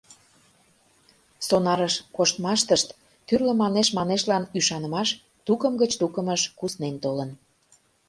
Сонарыш коштмаштышт тӱрлӧ манеш-манешлан ӱшанымаш тукым гыч тукымыш куснен толын.